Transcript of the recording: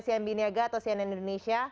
cmb niaga atau cnn indonesia